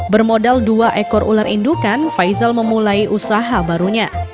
bermodal dua ekor ular indukan faizal memulai usaha barunya